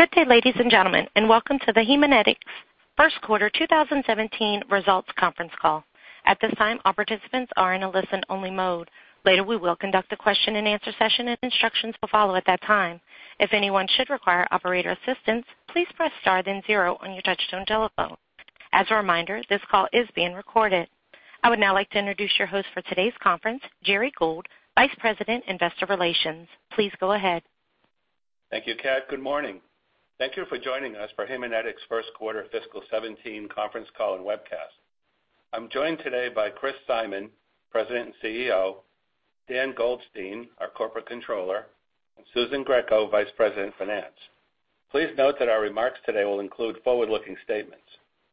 Good day, ladies and gentlemen, and welcome to the Haemonetics First Quarter 2017 Results Conference Call. At this time, all participants are in a listen-only mode. Later, we will conduct a question and answer session, and instructions will follow at that time. If anyone should require operator assistance, please press star then zero on your touch-tone telephone. As a reminder, this call is being recorded. I would now like to introduce your host for today's conference, Gerry Gould, Vice President, Investor Relations. Please go ahead. Thank you, Kat. Good morning. Thank you for joining us for Haemonetics' first quarter fiscal 2017 conference call and webcast. I am joined today by Christopher Simon, President and CEO, Dan Goldstein, our Corporate Controller, and Susan Greco, Vice President, Finance. Please note that our remarks today will include forward-looking statements.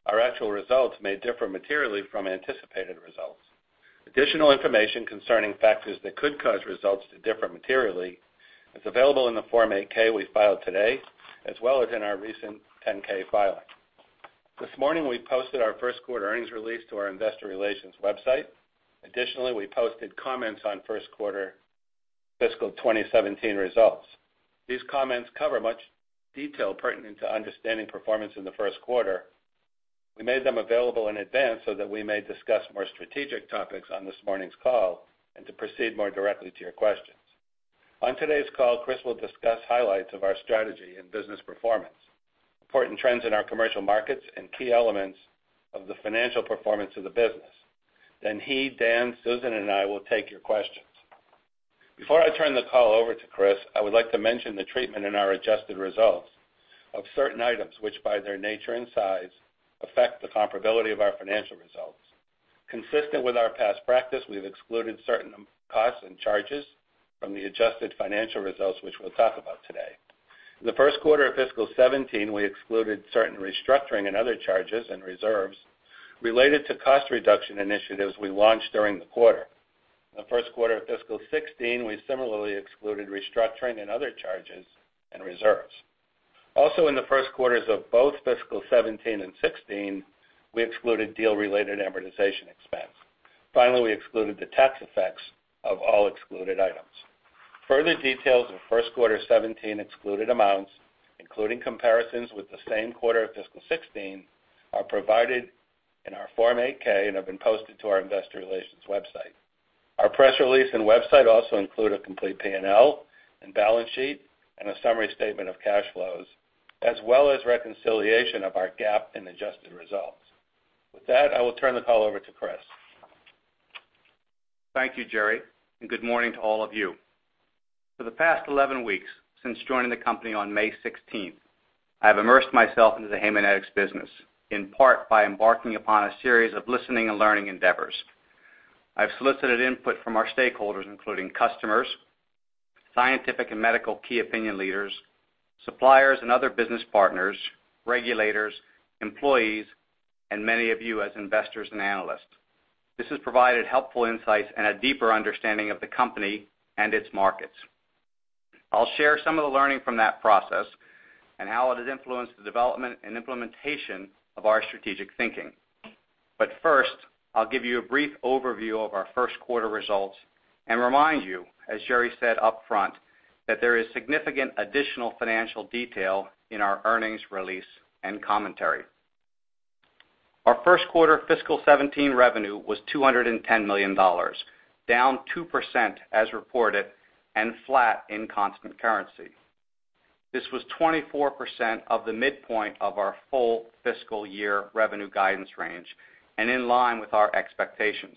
Our actual results may differ materially from anticipated results. Additional information concerning factors that could cause results to differ materially is available in the Form 8-K we filed today, as well as in our recent 10-K filing. This morning, we posted our first quarter earnings release to our investor relations website. We posted comments on first quarter fiscal 2017 results. These comments cover much detail pertinent to understanding performance in the first quarter. We made them available in advance so that we may discuss more strategic topics on this morning's call and to proceed more directly to your questions. On today's call, Chris will discuss highlights of our strategy and business performance, important trends in our commercial markets, and key elements of the financial performance of the business. He, Dan, Susan, and I will take your questions. Before I turn the call over to Chris, I would like to mention the treatment in our adjusted results of certain items which, by their nature and size, affect the comparability of our financial results. Consistent with our past practice, we have excluded certain costs and charges from the adjusted financial results, which we will talk about today. In the first quarter of fiscal 2017, we excluded certain restructuring and other charges and reserves related to cost reduction initiatives we launched during the quarter. In the first quarter of fiscal 2016, we similarly excluded restructuring and other charges and reserves. In the first quarters of both fiscal 2017 and 2016, we excluded deal-related amortization expense. We excluded the tax effects of all excluded items. Further details of first quarter 2017 excluded amounts, including comparisons with the same quarter of fiscal 2016, are provided in our Form 8-K and have been posted to our investor relations website. Our press release and website also include a complete P&L and balance sheet and a summary statement of cash flows, as well as reconciliation of our GAAP and adjusted results. With that, I will turn the call over to Chris. Thank you, Gerry, and good morning to all of you. For the past 11 weeks, since joining the company on May 16th, I have immersed myself into the Haemonetics business, in part by embarking upon a series of listening and learning endeavors. I've solicited input from our stakeholders, including customers, scientific and medical key opinion leaders, suppliers and other business partners, regulators, employees, and many of you as investors and analysts. This has provided helpful insights and a deeper understanding of the company and its markets. I'll share some of the learning from that process and how it has influenced the development and implementation of our strategic thinking. First, I'll give you a brief overview of our first quarter results and remind you, as Gerry said upfront, that there is significant additional financial detail in our earnings release and commentary. Our first quarter fiscal 2017 revenue was $210 million, down 2% as reported and flat in constant currency. This was 24% of the midpoint of our full fiscal year revenue guidance range and in line with our expectations.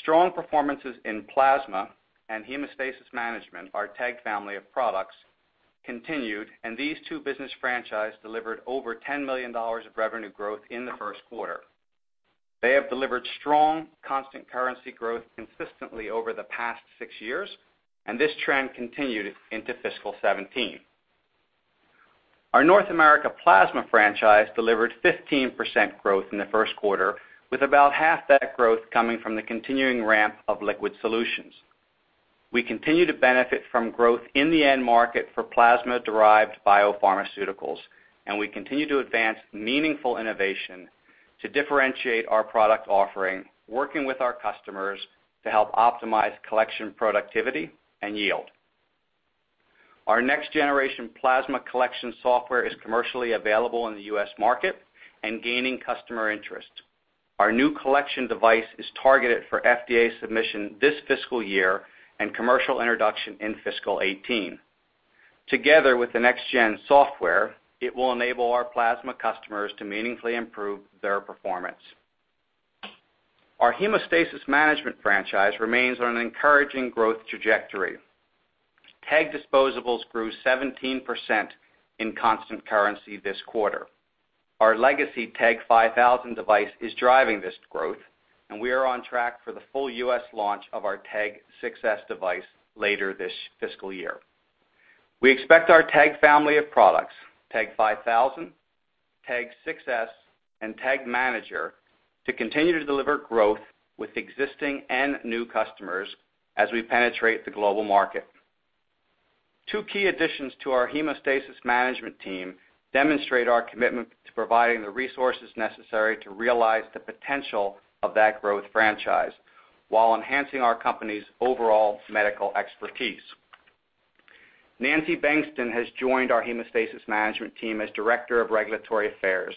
Strong performances in plasma and hemostasis management, our TEG family of products, continued, and these two business franchises delivered over $10 million of revenue growth in the first quarter. They have delivered strong constant currency growth consistently over the past six years, and this trend continued into fiscal 2017. Our North America plasma franchise delivered 15% growth in the first quarter, with about half that growth coming from the continuing ramp of liquid solutions. We continue to benefit from growth in the end market for plasma-derived biopharmaceuticals, and we continue to advance meaningful innovation to differentiate our product offering, working with our customers to help optimize collection productivity and yield. Our next-generation plasma collection software is commercially available in the U.S. market and gaining customer interest. Our new collection device is targeted for FDA submission this fiscal year and commercial introduction in fiscal 2018. Together with the next-gen software, it will enable our plasma customers to meaningfully improve their performance. Our hemostasis management franchise remains on an encouraging growth trajectory. TEG disposables grew 17% in constant currency this quarter. Our legacy TEG 5000 device is driving this growth, and we are on track for the full U.S. launch of our TEG 6s device later this fiscal year. We expect our TEG family of products, TEG 5000, TEG 6s, and TEG Manager, to continue to deliver growth with existing and new customers as we penetrate the global market. Two key additions to our hemostasis management team demonstrate our commitment to providing the resources necessary to realize the potential of that growth franchise while enhancing our company's overall medical expertise. Nancy Bengtson has joined our hemostasis management team as Director of Regulatory Affairs.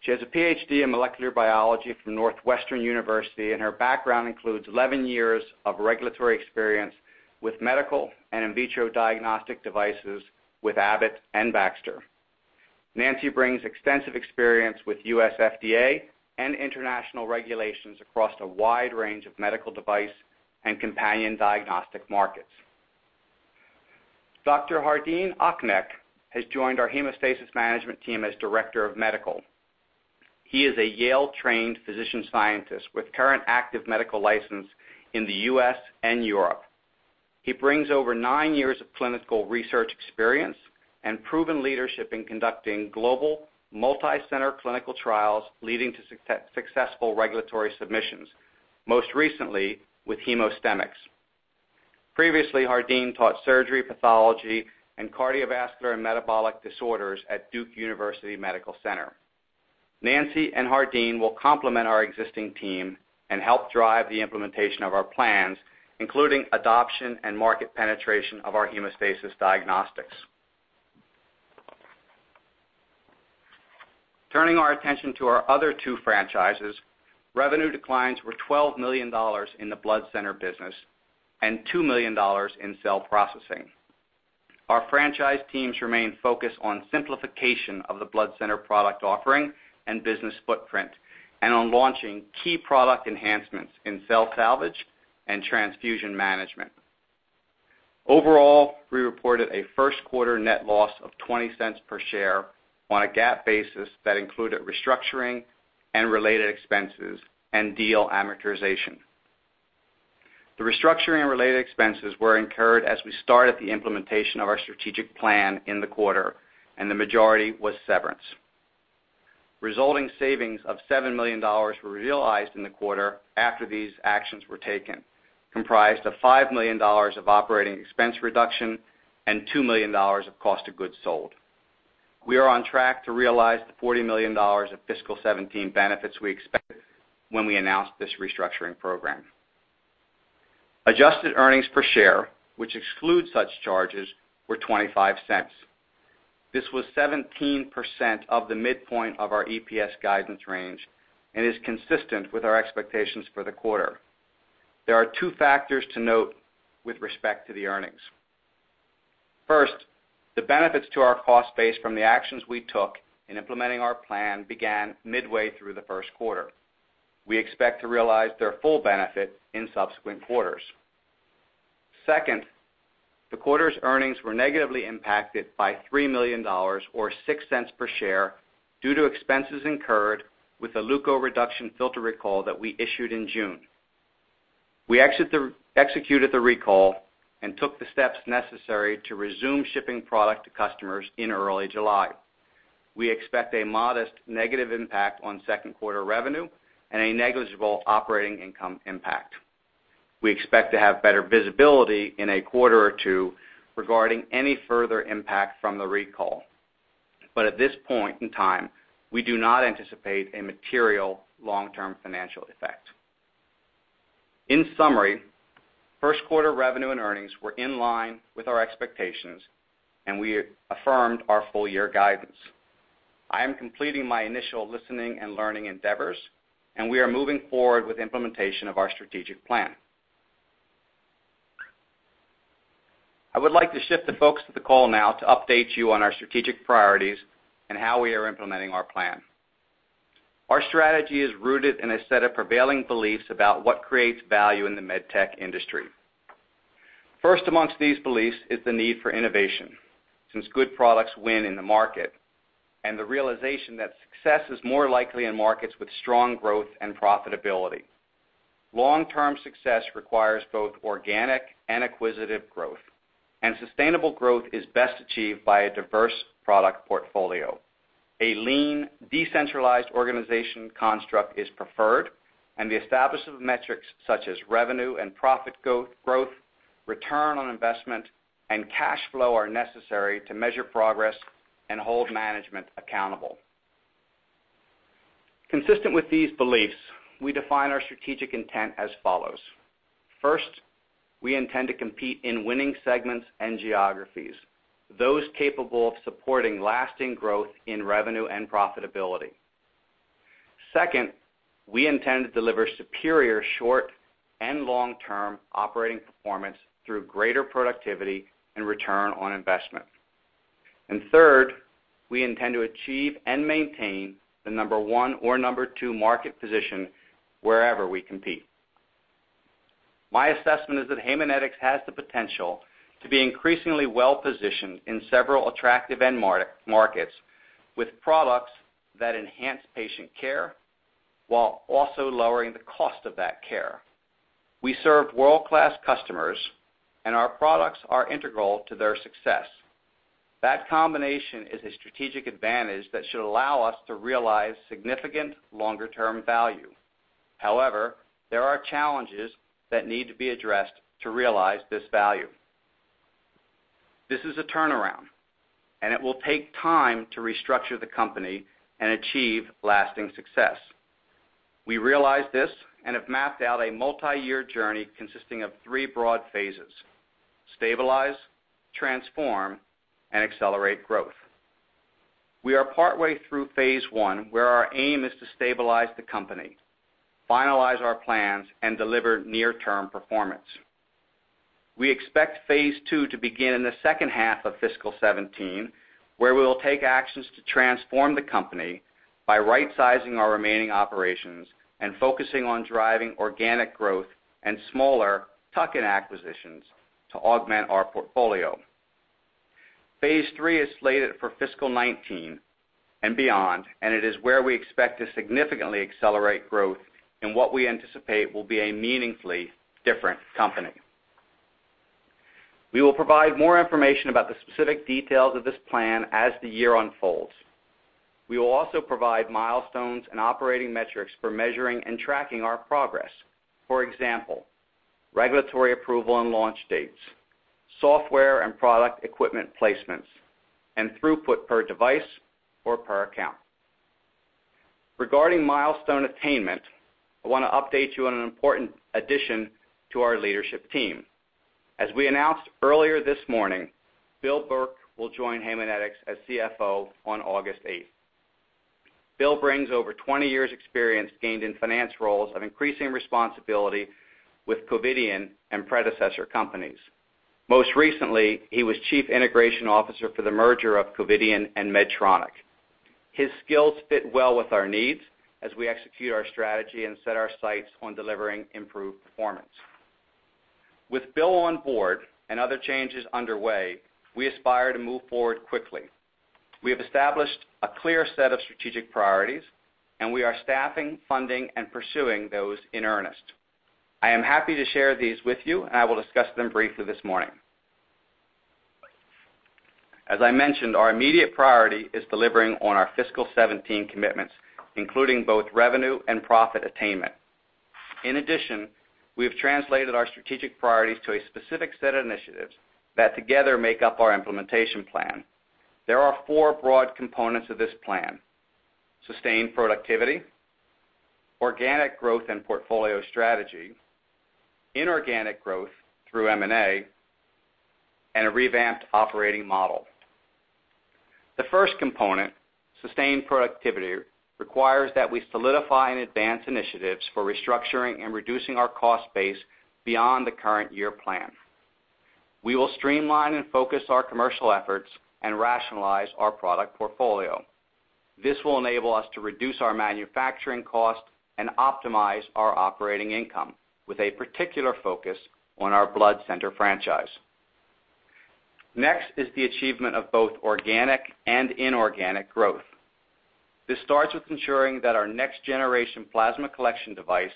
She has a PhD in molecular biology from Northwestern University, and her background includes 11 years of regulatory experience with medical and in vitro diagnostic devices with Abbott and Baxter. Nancy brings extensive experience with U.S. FDA and international regulations across a wide range of medical device and companion diagnostic markets. Dr. Hardean Achneck has joined our hemostasis management team as Director of Medical. He is a Yale-trained physician scientist with current active medical license in the U.S. and Europe. He brings over nine years of clinical research experience and proven leadership in conducting global multi-center clinical trials leading to successful regulatory submissions, most recently with Hemostemix. Previously, Hardean taught surgery, pathology, and cardiovascular and metabolic disorders at Duke University Medical Center. Nancy and Hardean will complement our existing team and help drive the implementation of our plans, including adoption and market penetration of our hemostasis diagnostics. Turning our attention to our other two franchises, revenue declines were $12 million in the blood center business, and $2 million in cell processing. Our franchise teams remain focused on simplification of the blood center product offering and business footprint, and on launching key product enhancements in cell salvage and transfusion management. Overall, we reported a first quarter net loss of $0.20 per share on a GAAP basis that included restructuring and related expenses and deal amortization. The restructuring and related expenses were incurred as we started the implementation of our strategic plan in the quarter, and the majority was severance. Resulting savings of $7 million were realized in the quarter after these actions were taken, comprised of $5 million of operating expense reduction and $2 million of cost of goods sold. We are on track to realize the $40 million of FY 2017 benefits we expected when we announced this restructuring program. Adjusted earnings per share, which excludes such charges, were $0.25. This was 17% of the midpoint of our EPS guidance range and is consistent with our expectations for the quarter. There are two factors to note with respect to the earnings. First, the benefits to our cost base from the actions we took in implementing our plan began midway through the first quarter. We expect to realize their full benefit in subsequent quarters. Second, the quarter's earnings were negatively impacted by $3 million or $0.06 per share due to expenses incurred with the leukoreduction filter recall that we issued in June. We executed the recall and took the steps necessary to resume shipping product to customers in early July. We expect a modest negative impact on second quarter revenue and a negligible operating income impact. We expect to have better visibility in a quarter or two regarding any further impact from the recall. But at this point in time, we do not anticipate a material long-term financial effect. In summary, first quarter revenue and earnings were in line with our expectations, and we affirmed our full year guidance. I am completing my initial listening and learning endeavors, and we are moving forward with implementation of our strategic plan. I would like to shift the focus of the call now to update you on our strategic priorities and how we are implementing our plan. Our strategy is rooted in a set of prevailing beliefs about what creates value in the med tech industry. First amongst these beliefs is the need for innovation, since good products win in the market, and the realization that success is more likely in markets with strong growth and profitability. Long-term success requires both organic and acquisitive growth, and sustainable growth is best achieved by a diverse product portfolio. A lean, decentralized organization construct is preferred, and the establishment of metrics such as revenue and profit growth, return on investment, and cash flow are necessary to measure progress and hold management accountable. Consistent with these beliefs, we define our strategic intent as follows. First, we intend to compete in winning segments and geographies, those capable of supporting lasting growth in revenue and profitability. Second, we intend to deliver superior short- and long-term operating performance through greater productivity and return on investment. Third, we intend to achieve and maintain the number one or number two market position wherever we compete. My assessment is that Haemonetics has the potential to be increasingly well-positioned in several attractive end markets with products that enhance patient care while also lowering the cost of that care. We serve world-class customers, and our products are integral to their success. That combination is a strategic advantage that should allow us to realize significant longer-term value. However, there are challenges that need to be addressed to realize this value. This is a turnaround, and it will take time to restructure the company and achieve lasting success. We realize this and have mapped out a multi-year journey consisting of three broad phases: stabilize, transform, and accelerate growth. We are partway through phase one, where our aim is to stabilize the company, finalize our plans, and deliver near-term performance. We expect phase two to begin in the second half of fiscal 2017, where we will take actions to transform the company by right-sizing our remaining operations and focusing on driving organic growth and smaller tuck-in acquisitions to augment our portfolio. Phase three is slated for fiscal 2019 and beyond, and it is where we expect to significantly accelerate growth in what we anticipate will be a meaningfully different company. We will provide more information about the specific details of this plan as the year unfolds. We will also provide milestones and operating metrics for measuring and tracking our progress. For example, regulatory approval and launch dates, software and product equipment placements, and throughput per device or per account. Regarding milestone attainment, I want to update you on an important addition to our leadership team. As we announced earlier this morning, Bill Burke will join Haemonetics as CFO on August 8th. Bill brings over 20 years experience gained in finance roles of increasing responsibility with Covidien and predecessor companies. Most recently, he was Chief Integration Officer for the merger of Covidien and Medtronic. His skills fit well with our needs as we execute our strategy and set our sights on delivering improved performance. With Bill on board and other changes underway, we aspire to move forward quickly. We have established a clear set of strategic priorities, and we are staffing, funding, and pursuing those in earnest. I am happy to share these with you. I will discuss them briefly this morning. As I mentioned, our immediate priority is delivering on our fiscal 2017 commitments, including both revenue and profit attainment. In addition, we have translated our strategic priorities to a specific set of initiatives that together make up our implementation plan. There are four broad components of this plan: sustained productivity, organic growth and portfolio strategy, inorganic growth through M&A, and a revamped operating model. The first component, sustained productivity, requires that we solidify and advance initiatives for restructuring and reducing our cost base beyond the current year plan. We will streamline and focus our commercial efforts and rationalize our product portfolio. This will enable us to reduce our manufacturing cost and optimize our operating income with a particular focus on our blood center franchise. Next is the achievement of both organic and inorganic growth. This starts with ensuring that our next-generation plasma collection device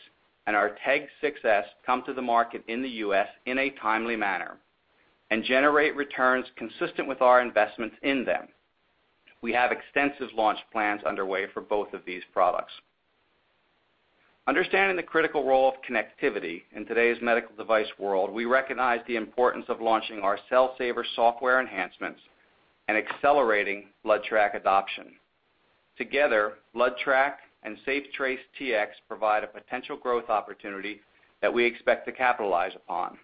and our TEG 6s come to the market in the U.S. in a timely manner and generate returns consistent with our investments in them. We have extensive launch plans underway for both of these products. Understanding the critical role of connectivity in today's medical device world, we recognize the importance of launching our Cell Saver software enhancements and accelerating BloodTrack adoption. Together, BloodTrack and SafeTrace Tx provide a potential growth opportunity that we expect to capitalize upon.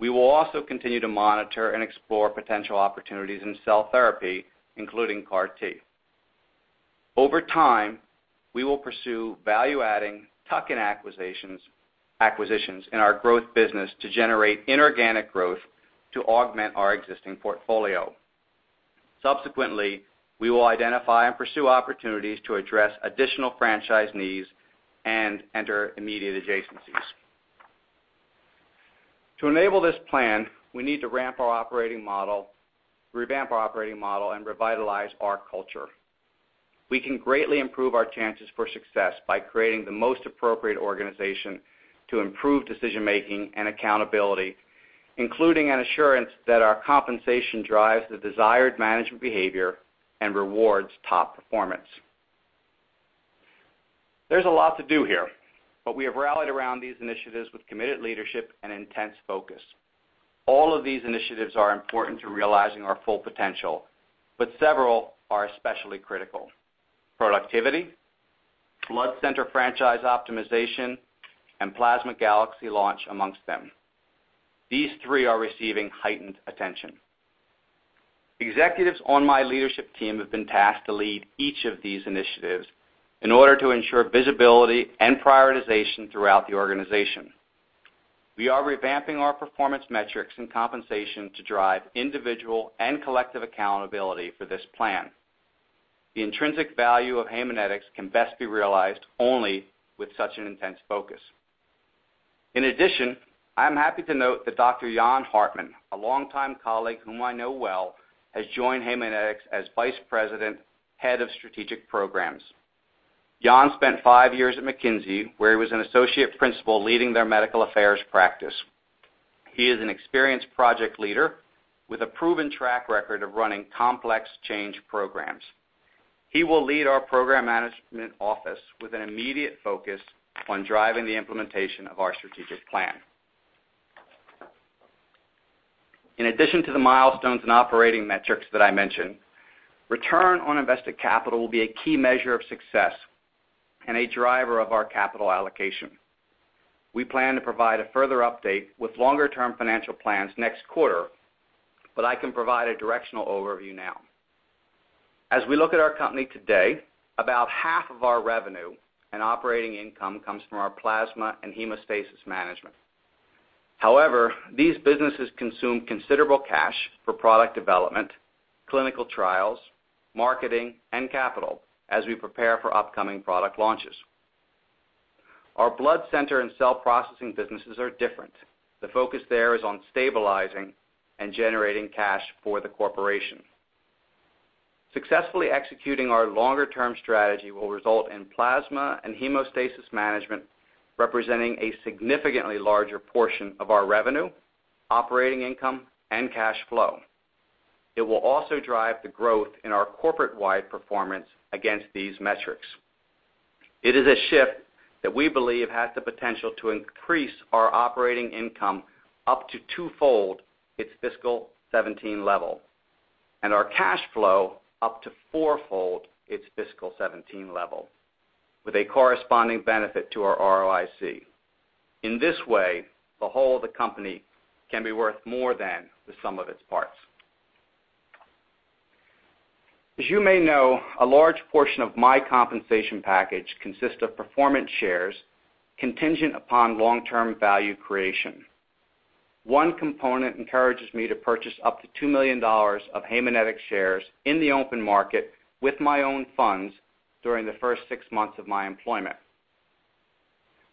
We will also continue to monitor and explore potential opportunities in cell therapy, including CAR T. Over time, we will pursue value-adding tuck-in acquisitions in our growth business to generate inorganic growth to augment our existing portfolio. Subsequently, we will identify and pursue opportunities to address additional franchise needs and enter immediate adjacencies. To enable this plan, we need to revamp our operating model and revitalize our culture. We can greatly improve our chances for success by creating the most appropriate organization to improve decision-making and accountability, including an assurance that our compensation drives the desired management behavior and rewards top performance. There's a lot to do here, but we have rallied around these initiatives with committed leadership and intense focus. All of these initiatives are important to realizing our full potential, but several are especially critical. Productivity, blood center franchise optimization, and PlasmaGalaxy launch amongst them. These three are receiving heightened attention. Executives on my leadership team have been tasked to lead each of these initiatives in order to ensure visibility and prioritization throughout the organization. We are revamping our performance metrics and compensation to drive individual and collective accountability for this plan. The intrinsic value of Haemonetics can best be realized only with such an intense focus. In addition, I am happy to note that Dr. Jan Hartmann, a longtime colleague whom I know well, has joined Haemonetics as vice president, head of strategic programs. Jan spent five years at McKinsey, where he was an associate principal leading their medical affairs practice. He is an experienced project leader with a proven track record of running complex change programs. He will lead our program management office with an immediate focus on driving the implementation of our strategic plan. In addition to the milestones and operating metrics that I mentioned, return on invested capital will be a key measure of success and a driver of our capital allocation. We plan to provide a further update with longer-term financial plans next quarter, but I can provide a directional overview now. As we look at our company today, about half of our revenue and operating income comes from our plasma and hemostasis management. However, these businesses consume considerable cash for product development, clinical trials, marketing, and capital as we prepare for upcoming product launches. Our blood center and cell processing businesses are different. The focus there is on stabilizing and generating cash for the corporation. Successfully executing our longer-term strategy will result in plasma and hemostasis management representing a significantly larger portion of our revenue, operating income, and cash flow. It will also drive the growth in our corporate-wide performance against these metrics. It is a shift that we believe has the potential to increase our operating income up to twofold its fiscal 2017 level, and our cash flow up to fourfold its fiscal 2017 level, with a corresponding benefit to our ROIC. In this way, the whole of the company can be worth more than the sum of its parts. As you may know, a large portion of my compensation package consists of performance shares contingent upon long-term value creation. One component encourages me to purchase up to $2 million of Haemonetics shares in the open market with my own funds during the first six months of my employment.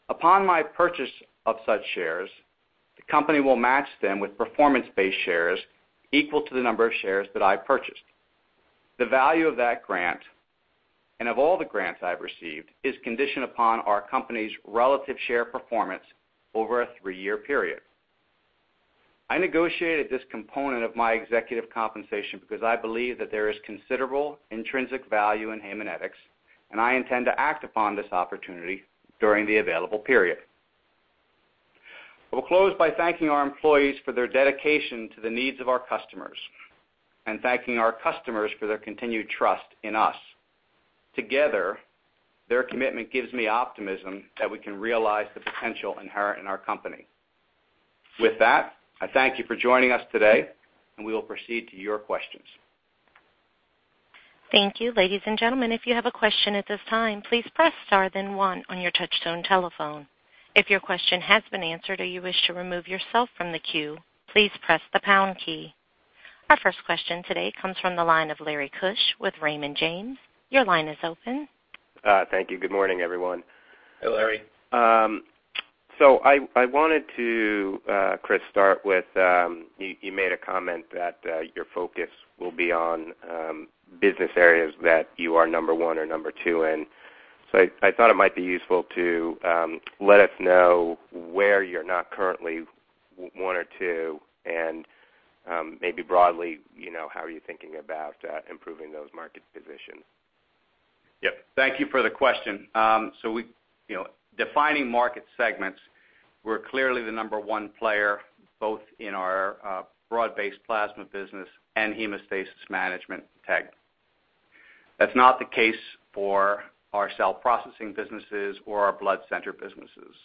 Upon my purchase of such shares, the company will match them with performance-based shares equal to the number of shares that I purchased. The value of that grant, and of all the grants I've received, is conditioned upon our company's relative share performance over a three-year period. I negotiated this component of my executive compensation because I believe that there is considerable intrinsic value in Haemonetics, and I intend to act upon this opportunity during the available period. I will close by thanking our employees for their dedication to the needs of our customers and thanking our customers for their continued trust in us. Together, their commitment gives me optimism that we can realize the potential inherent in our company. With that, I thank you for joining us today, and we will proceed to your questions. Thank you. Ladies and gentlemen, if you have a question at this time, please press star then one on your touchtone telephone. If your question has been answered or you wish to remove yourself from the queue, please press the pound key. Our first question today comes from the line of Larry Keusch with Raymond James. Your line is open. Thank you. Good morning, everyone. Hey, Larry. I wanted to, Chris, start with, you made a comment that your focus will be on business areas that you are number 1 or number 2 in. I thought it might be useful to let us know where you're not currently 1 or 2 and, maybe broadly, how are you thinking about improving those market positions? Yep. Thank you for the question. Defining market segments, we're clearly the number 1 player, both in our broad-based plasma business and hemostasis management TEG. That's not the case for our cell processing businesses or our blood center businesses.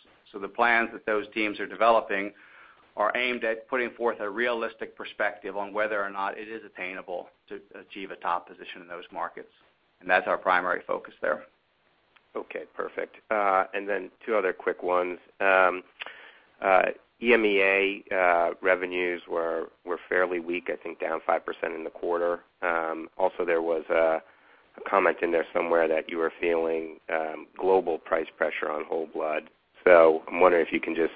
The plans that those teams are developing are aimed at putting forth a realistic perspective on whether or not it is attainable to achieve a top position in those markets. That's our primary focus there. Okay, perfect. Then two other quick ones. EMEA revenues were fairly weak, I think down 5% in the quarter. Also, there was a comment in there somewhere that you were feeling global price pressure on whole blood. I'm wondering if you can just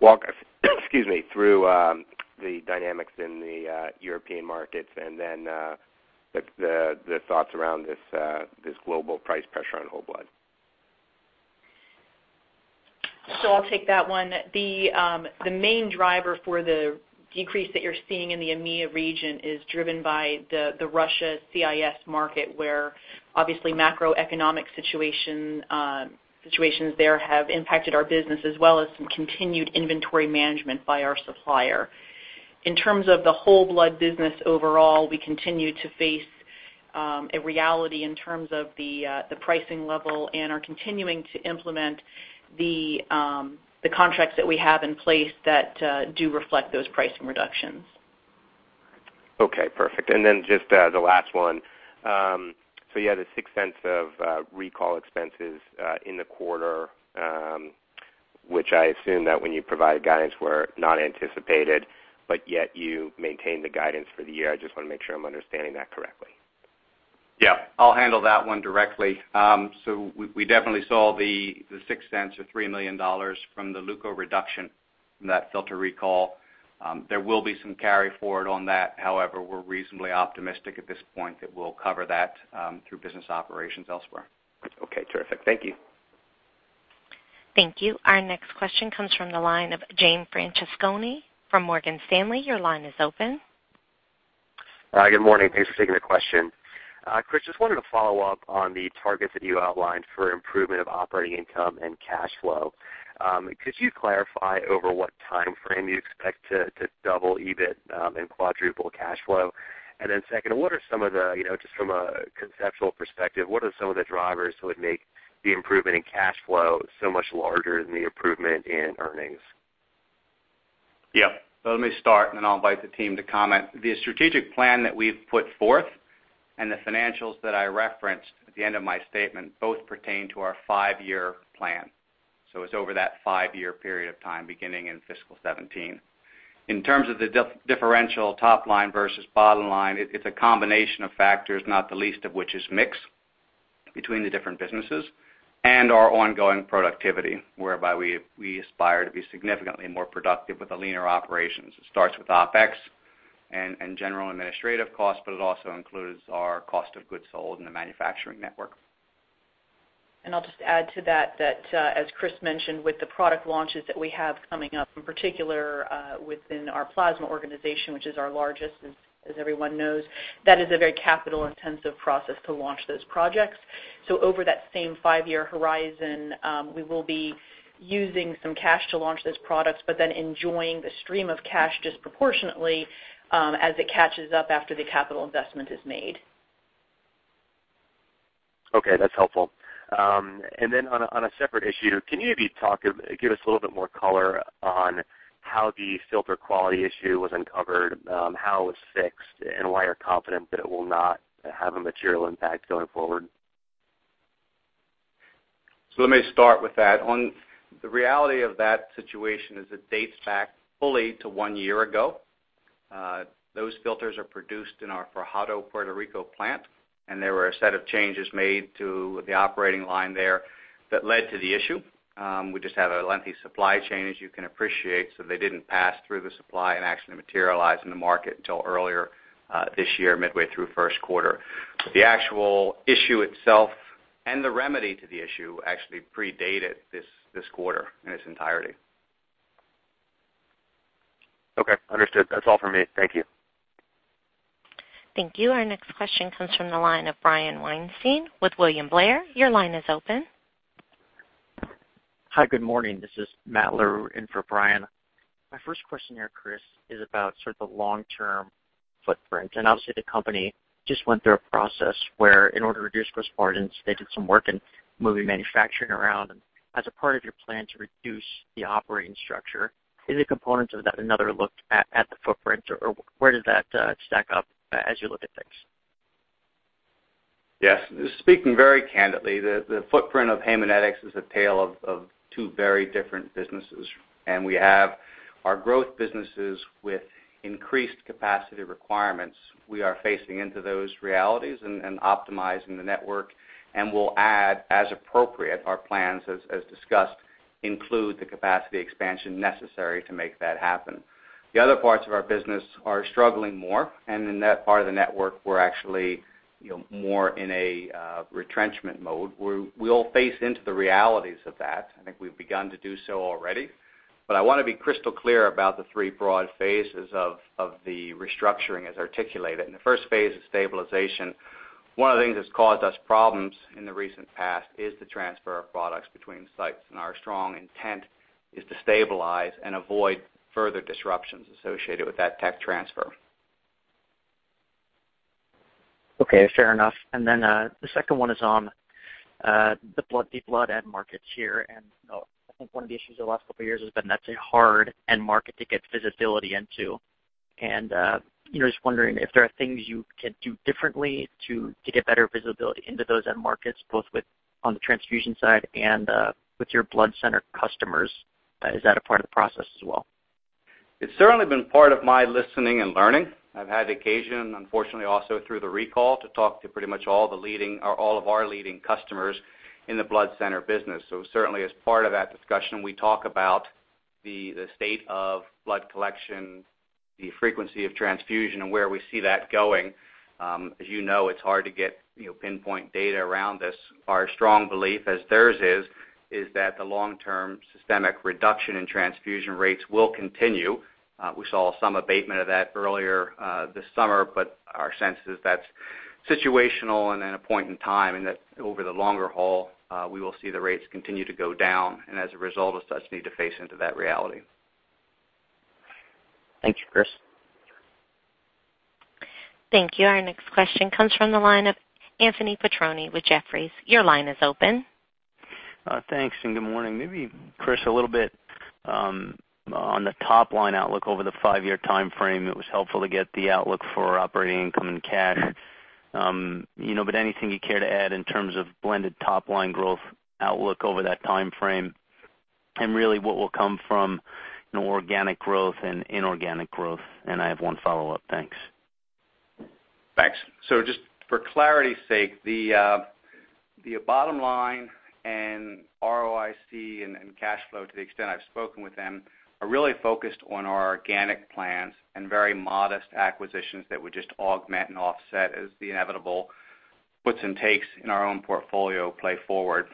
walk through the dynamics in the European markets and then the thoughts around this global price pressure on whole blood. I'll take that one. The main driver for the decrease that you're seeing in the EMEA region is driven by the Russia CIS market, where obviously macroeconomic situations there have impacted our business, as well as some continued inventory management by our supplier. In terms of the whole blood business overall, we continue to face a reality in terms of the pricing level and are continuing to implement the contracts that we have in place that do reflect those pricing reductions. Okay, perfect. Just the last one. You had the $0.06 of recall expenses in the quarter, which I assume that when you provided guidance were not anticipated, but yet you maintained the guidance for the year. I just want to make sure I'm understanding that correctly. Yeah. I'll handle that one directly. We definitely saw the $0.06 or $3 million from the leukoreduction from that filter recall. There will be some carry forward on that. However, we're reasonably optimistic at this point that we'll cover that through business operations elsewhere. Okay, terrific. Thank you. Thank you. Our next question comes from the line of James Francescone from Morgan Stanley. Your line is open. Good morning. Thanks for taking the question. Chris, just wanted to follow up on the targets that you outlined for improvement of operating income and cash flow. Could you clarify over what timeframe you expect to double EBIT and quadruple cash flow? Second, just from a conceptual perspective, what are some of the drivers that would make the improvement in cash flow so much larger than the improvement in earnings? Let me start, and then I'll invite the team to comment. The strategic plan that we've put forth and the financials that I referenced at the end of my statement both pertain to our five-year plan. It's over that five-year period of time, beginning in fiscal 2017. In terms of the differential top line versus bottom line, it's a combination of factors, not the least of which is mix between the different businesses and our ongoing productivity, whereby we aspire to be significantly more productive with the leaner operations. It starts with OpEx and general administrative costs, it also includes our cost of goods sold in the manufacturing network. I'll just add to that, as Chris mentioned, with the product launches that we have coming up, in particular within our plasma organization, which is our largest, as everyone knows, that is a very capital-intensive process to launch those projects. Over that same five-year horizon, we will be using some cash to launch those products, then enjoying the stream of cash disproportionately as it catches up after the capital investment is made. Okay. That's helpful. On a separate issue, can you maybe give us a little bit more color on how the filter quality issue was uncovered, how it was fixed, and why you're confident that it will not have a material impact going forward? Let me start with that. The reality of that situation is it dates back fully to one year ago. Those filters are produced in our Fajardo, Puerto Rico plant, there were a set of changes made to the operating line there that led to the issue. We just have a lengthy supply chain, as you can appreciate, they didn't pass through the supply and actually materialize in the market until earlier this year, midway through first quarter. The actual issue itself and the remedy to the issue actually predated this quarter in its entirety. Okay. Understood. That's all for me. Thank you. Thank you. Our next question comes from the line of Brian Weinstein with William Blair. Your line is open. Hi, good morning. This is Matt Larew in for Brian. My first question here, Chris, is about sort of the long-term footprint. Obviously the company just went through a process where in order to reduce cost burdens, they did some work in moving manufacturing around. As a part of your plan to reduce the operating structure, is a component of that another look at the footprint, or where does that stack up as you look at things? Yes. Speaking very candidly, the footprint of Haemonetics is a tale of two very different businesses. We have our growth businesses with increased capacity requirements. We are facing into those realities and optimizing the network. We'll add as appropriate our plans, as discussed, include the capacity expansion necessary to make that happen. The other parts of our business are struggling more. In that part of the network, we're actually more in a retrenchment mode, where we all face into the realities of that. I think we've begun to do so already. I want to be crystal clear about the three broad phases of the restructuring as articulated. The first phase is stabilization. One of the things that's caused us problems in the recent past is the transfer of products between sites. Our strong intent is to stabilize and avoid further disruptions associated with that tech transfer. Okay, fair enough. Then, the second one is on the blood end markets here. I think one of the issues the last couple of years has been that's a hard end market to get visibility into. Just wondering if there are things you can do differently to get better visibility into those end markets, both on the transfusion side and with your blood center customers. Is that a part of the process as well? It's certainly been part of my listening and learning. I've had the occasion, unfortunately also through the recall, to talk to pretty much all of our leading customers in the blood center business. Certainly as part of that discussion, we talk about the state of blood collection, the frequency of transfusion, and where we see that going. As you know, it's hard to get pinpoint data around this. Our strong belief, as theirs is that the long-term systemic reduction in transfusion rates will continue. We saw some abatement of that earlier this summer, but our sense is that's situational and at a point in time, and that over the longer haul, we will see the rates continue to go down, and as a result, as such, need to face into that reality. Thank you, Chris. Thank you. Our next question comes from the line of Anthony Petrone with Jefferies. Your line is open. Thanks. Good morning. Maybe, Chris, a little bit on the top-line outlook over the five-year timeframe. It was helpful to get the outlook for operating income and cash. Anything you care to add in terms of blended top-line growth outlook over that timeframe, and really what will come from organic growth and inorganic growth? I have one follow-up. Thanks. Thanks. Just for clarity's sake, the bottom line and ROIC and cash flow, to the extent I've spoken with them, are really focused on our organic plans and very modest acquisitions that would just augment and offset as the inevitable puts and takes in our own portfolio play forward.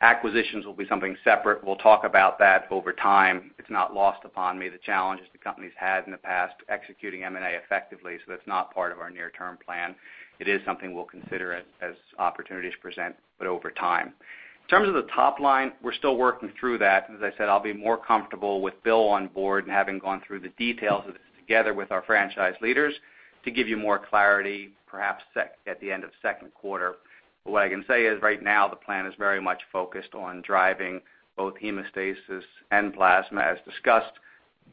Acquisitions will be something separate. We'll talk about that over time. It's not lost upon me the challenges the company's had in the past executing M&A effectively, that's not part of our near-term plan. It is something we'll consider as opportunities present, but over time. In terms of the top line, we're still working through that. As I said, I'll be more comfortable with Bill on board and having gone through the details of this together with our franchise leaders to give you more clarity, perhaps at the end of second quarter. What I can say is right now, the plan is very much focused on driving both hemostasis and plasma, as discussed,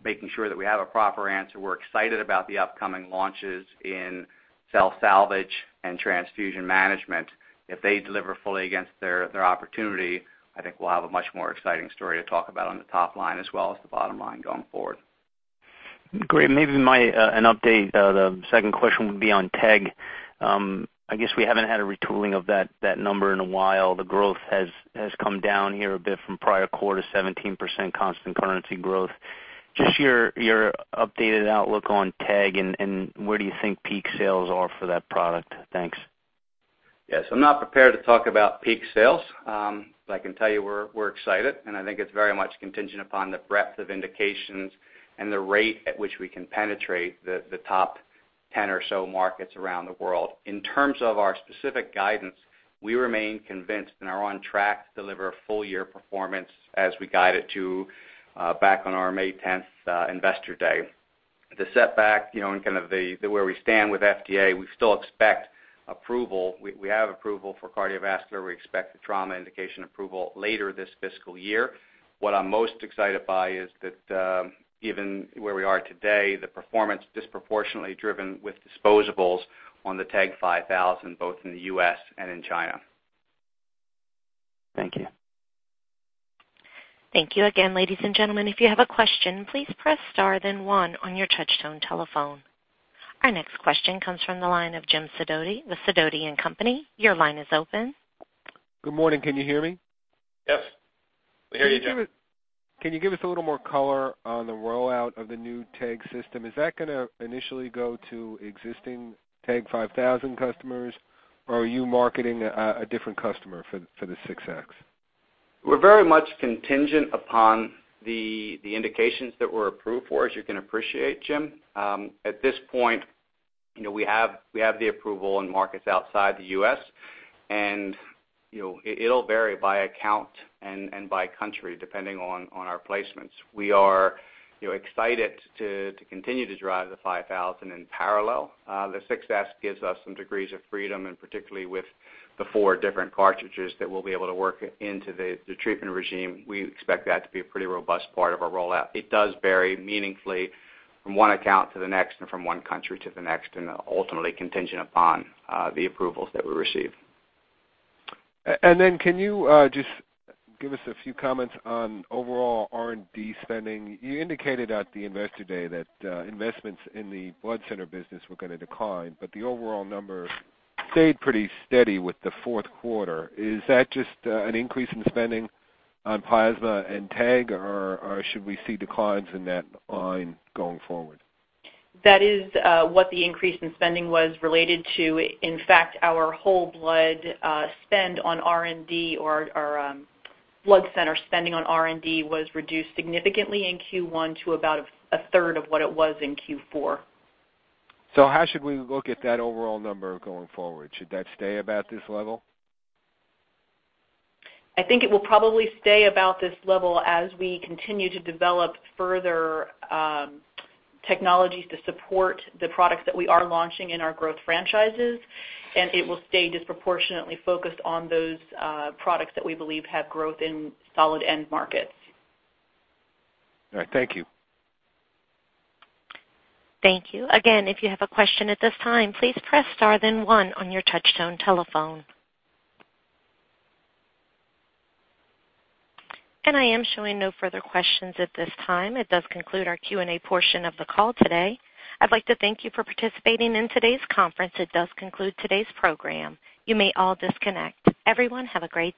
making sure that we have a proper answer. We're excited about the upcoming launches in cell salvage and transfusion management. If they deliver fully against their opportunity, I think we'll have a much more exciting story to talk about on the top line as well as the bottom line going forward. Great. Maybe an update, the second question would be on TEG. I guess we haven't had a retooling of that number in a while. The growth has come down here a bit from prior quarter, 17% constant currency growth. Just your updated outlook on TEG and where do you think peak sales are for that product. Thanks. Yes. I'm not prepared to talk about peak sales. I can tell you we're excited, and I think it's very much contingent upon the breadth of indications and the rate at which we can penetrate the top 10 or so markets around the world. In terms of our specific guidance, we remain convinced and are on track to deliver a full year performance as we guided to back on our May 10th investor day. The setback, and kind of where we stand with FDA, we still expect approval. We have approval for cardiovascular. We expect the trauma indication approval later this fiscal year. What I'm most excited by is that, given where we are today, the performance disproportionately driven with disposables on the TEG 5000, both in the U.S. and in China. Thank you. Thank you again, ladies and gentlemen. If you have a question, please press star then one on your touch tone telephone. Our next question comes from the line of Jim Sidoti with Sidoti & Company. Your line is open. Good morning. Can you hear me? Yes. We hear you, Jim. Can you give us a little more color on the rollout of the new TEG system? Is that going to initially go to existing TEG 5000 customers, or are you marketing a different customer for the 6s? We're very much contingent upon the indications that we're approved for, as you can appreciate, Jim. At this point, we have the approval in markets outside the U.S., it'll vary by account and by country, depending on our placements. We are excited to continue to drive the 5000 in parallel. The 6s gives us some degrees of freedom, particularly with the four different cartridges that we'll be able to work into the treatment regime. We expect that to be a pretty robust part of our rollout. It does vary meaningfully from one account to the next and from one country to the next, ultimately contingent upon the approvals that we receive. Can you just give us a few comments on overall R&D spending? You indicated at the investor day that investments in the blood center business were going to decline, the overall number stayed pretty steady with the fourth quarter. Is that just an increase in spending on plasma and TEG, should we see declines in that line going forward? That is what the increase in spending was related to. In fact, our whole blood spend on R&D or our blood center spending on R&D was reduced significantly in Q1 to about a third of what it was in Q4. How should we look at that overall number going forward? Should that stay about this level? I think it will probably stay about this level as we continue to develop further technologies to support the products that we are launching in our growth franchises, it will stay disproportionately focused on those products that we believe have growth in solid end markets. All right. Thank you. Thank you. Again, if you have a question at this time, please press star then one on your touch tone telephone. I am showing no further questions at this time. It does conclude our Q&A portion of the call today. I'd like to thank you for participating in today's conference. It does conclude today's program. You may all disconnect. Everyone, have a great day